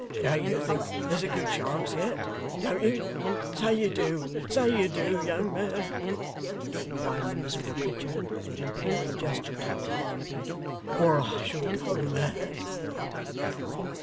Don't you think there's a good chance yet, don't you? Say you do. Say you do, young man,' whined the miserable creature, with an imploring gesture towards Barnaby, 'or I shall go mad!